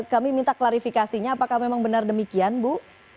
kami minta klarifikasinya apakah memang benar demikian bu